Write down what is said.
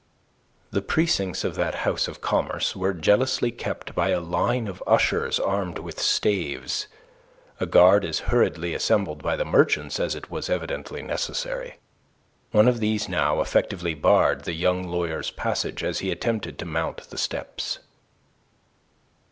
The precincts of that house of commerce were jealously kept by a line of ushers armed with staves, a guard as hurriedly assembled by the merchants as it was evidently necessary. One of these now effectively barred the young lawyer's passage as he attempted to mount the steps.